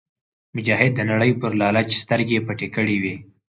مجاهد د نړۍ پر لالچ سترګې پټې کړې وي.